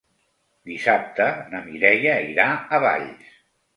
Dissabte na Mireia irà a Valls.